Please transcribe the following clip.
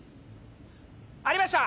ありました！